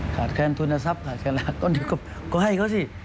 ขาดแคลนทุนทรัพย์ขาดแคลนหลากก็ให้เขาสิ